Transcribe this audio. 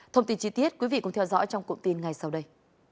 thông tin chi tiết quý vị cùng theo dõi trong cụm tin ngay sau đây